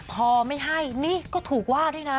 พอไม่ให้นี่ก็ถูกว่าด้วยนะ